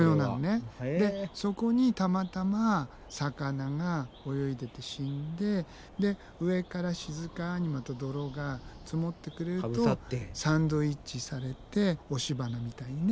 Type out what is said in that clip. そこにたまたま魚が泳いでて死んでで上から静かにまた泥が積もってくれるとサンドイッチされて押し花みたいにね